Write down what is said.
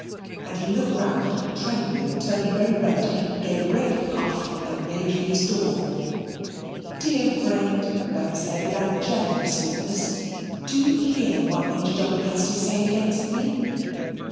And he looked round, trembling and turning very red, and gave a great puff, and made for his door. "Dear friend!" Rebecca said with angelic sweetness, "do hear what Major Dobbin has to say against me."